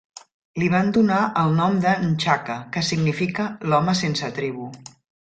Li van donar el nom de N'Chaka, que significa "l'home sense tribu".